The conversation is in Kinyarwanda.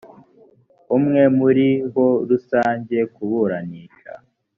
umwe muri bo rusanga kuburanisha